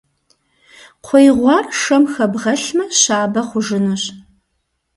Кхъуей гъуар шэм хэбгъэлъмэ, щабэ хъужынущ.